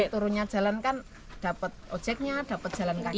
turunnya jalan kan dapat ojeknya dapat jalan kaki